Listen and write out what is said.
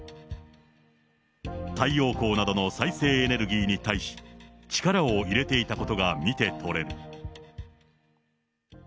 太陽光などの再生エネルギーに対し、力を入れていたことが見て取れる。